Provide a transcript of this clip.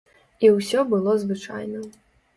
І ўсё было звычайна.